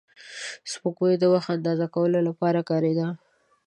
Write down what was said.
سپوږمۍ د وخت اندازه کولو لپاره کارېده